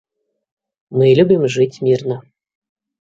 Мы любім жыць мірна.